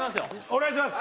お願いします